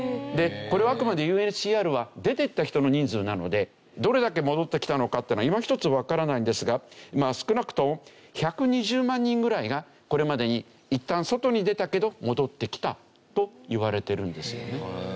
これはあくまでＵＮＨＣＲは出てった人の人数なのでどれだけ戻ってきたのかっていうのはいまひとつわからないんですが少なくとも１２０万人ぐらいがこれまでにいったん外に出たけど戻ってきたと言われてるんですよね。